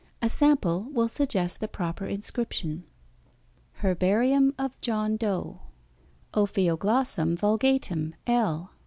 A sample will suggest the proper inscription. HERBARIUM OF JOHN DOE Ophioglóssum vulgatum, L.